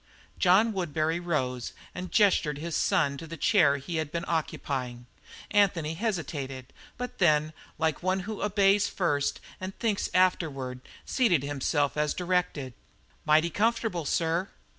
John Woodbury rose and gestured his son to the chair he had been occupying. Anthony hesitated, but then, like one who obeys first and thinks afterward, seated himself as directed. "Mighty comfortable, sir."